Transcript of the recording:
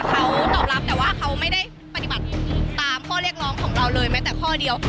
เขาตอบรับแต่ว่าเขาไม่ได้ปฏิบัติตามข้อเรียกร้องของเราเลยแม้แต่ข้อเดียว